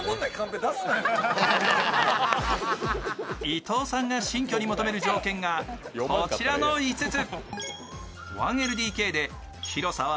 伊藤さんが新居に求める条件がこちらの５つ。